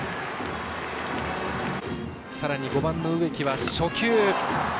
さらに５番の植木は初球。